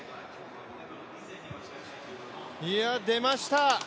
出ました！